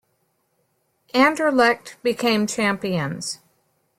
Anderlecht became champions.